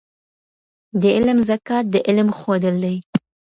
د علم زکات د علم ښودل دي.